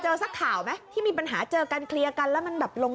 เจอสักข่าวมั้ยที่มีปัญหาเจอกันเกลียนกันและมันแบบลง